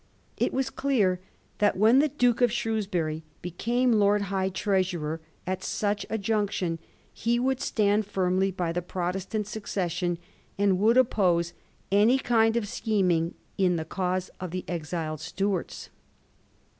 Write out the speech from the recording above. It was clear that when the Duke of Shrewsbury became Lord High Treasurer at such a junction he would stand firmly by the Protestant succession, and would oppose any kind of scheming in the cause of the exiled Stuarts.